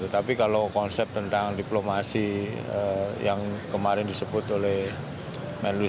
tapi kalau konsep tentang diplomasi yang kemarin disebut oleh menlu